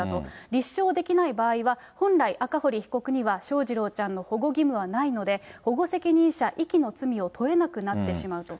立証できない場合は、本来、赤堀被告には翔士郎ちゃんの保護義務はないので、保護責任者遺棄の罪を問えなくなってしまうと。